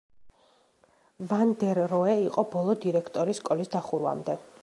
ვან დერ როე იყო ბოლო დირექტორი სკოლის დახურვამდე.